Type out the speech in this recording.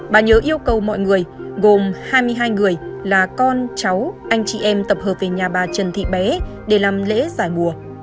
bà nhớ yêu cầu mọi người gồm hai mươi hai người là con cháu anh chị em tập hợp về nhà bà trần thị bé để làm lễ giải mùa